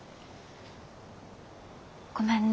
ごめんね。